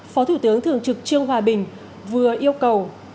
phó thủ tướng thường trực trương hòa bình vừa yêu cầu